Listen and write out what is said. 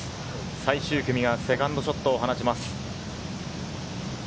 最終組がセカンドショットを放ちます。